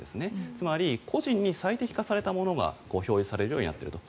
つまり個人に最適化されたものが表示されるようになっていると。